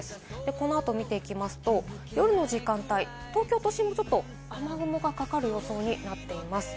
この後、見ていきますと、夜の時間帯、東京都心もちょっと雨雲がかかる予想になっています。